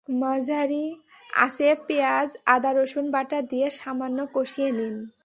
মাঝারি আঁচে পেঁয়াজ, আদা-রসুন বাটা দিয়ে সামান্য কষিয়ে নিন।